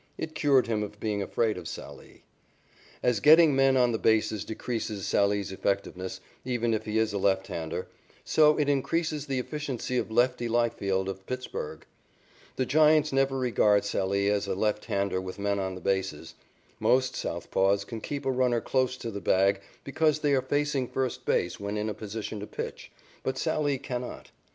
It cured him of being afraid of Sallee. As getting men on the bases decreases Sallee's effectiveness, even if he is a left hander, so it increases the efficiency of "Lefty" Leifield of Pittsburg. The Giants never regard Sallee as a left hander with men on the bases. Most southpaws can keep a runner close to the bag because they are facing first base when in a position to pitch, but Sallee cannot.